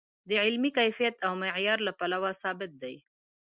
د علمي کیفیت او معیار له پلوه ثابت دی.